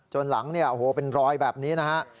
จนหลังเป็นรอยแบบนี้นะครับ